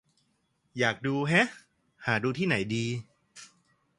อยากดู แฮะ หาดูที่ไหนดี